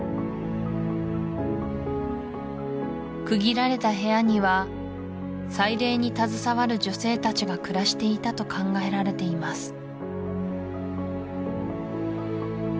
区切られた部屋には祭礼に携わる女性たちが暮らしていたと考えられています